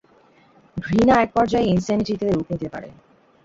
ঘৃণা এক পর্যায়ে ইনসেনিটিতে রূপ নিতে পারে।